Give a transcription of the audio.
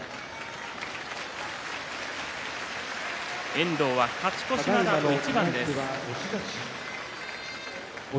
遠藤は勝ち越しまであと一番です。